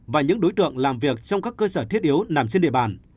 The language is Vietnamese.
và những đối tượng làm việc trong các cơ sở thiết yếu nằm trên địa bàn